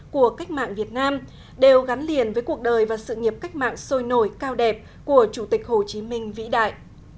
của cách mạng việt nam đều gắn liền với cuộc đời và sự nghiệp cách mạng sôi nổi cao đẹp của chủ tịch hồ chí minh vĩ đại